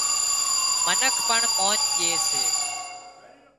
منک پڻ مانَ ڄي سي